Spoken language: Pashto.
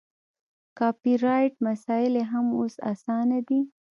کاپي رایټ مسایل یې هم اوس اسانه دي.